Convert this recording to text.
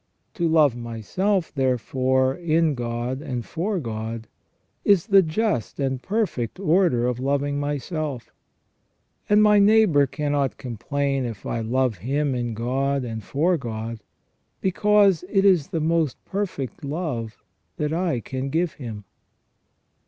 To love myself, therefore, in God and for God, is the just and perfect order of loving myself; and my neighbour cannot complain if I love him in God and for God, because it is the most perfect love that I can give him.